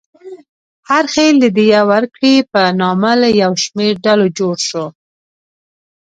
هر خېل د دیه ورکړې په نامه له یو شمېر ډلو جوړ و.